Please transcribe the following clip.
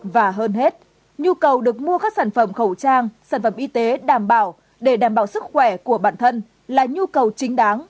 và hơn hết nhu cầu được mua các sản phẩm khẩu trang sản phẩm y tế đảm bảo để đảm bảo sức khỏe của bản thân là nhu cầu chính đáng